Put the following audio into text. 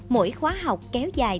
mỗi khóa học kéo dài